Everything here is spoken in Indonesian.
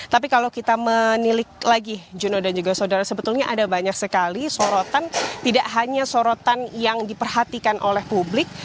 tapi kalau kita menilik lagi juno dan juga saudara sebetulnya ada banyak sekali sorotan tidak hanya sorotan yang diperhatikan oleh publik